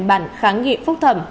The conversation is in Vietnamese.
bản kháng nghị phúc thẩm